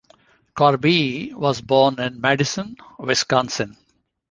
Korbee was born in Madison, Wisconsin.